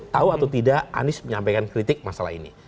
tahu atau tidak anies menyampaikan kritik masalah ini